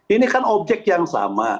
ini kan objek yang sama